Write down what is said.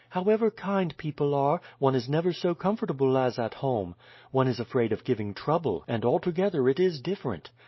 "However kind people are, one is never so comfortable as at home. One is afraid of giving trouble, and altogether it is different.